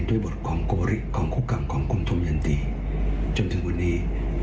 ด้วยบทของโกรธิของคุกกรรมของคุณธงยันตีจนถึงวันนี้